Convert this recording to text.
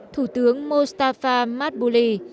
thủ tướng mustafa mabouli